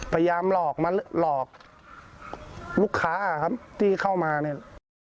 พยายามหลอกมาหลอกลูกค้าครับที่เข้ามาเนี่ย